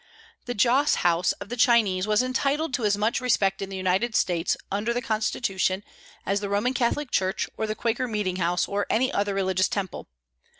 The Joss House of the Chinese was entitled to as much respect in the United States, under the constitution, as the Roman Catholic church, or the Quaker Meeting house, or any other religious temple.